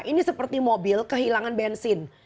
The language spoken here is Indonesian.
ini seperti mobil kehilangan bensin